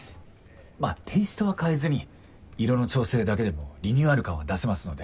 まあテイストは変えずに色の調整だけでもリニューアル感は出せますので。